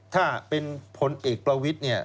ถ้าเป็นพลเอกประวิทย์เนี่ย